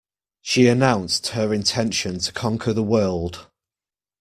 She announced her intention to conquer the world